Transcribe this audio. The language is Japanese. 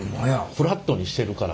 フラットにしてるから。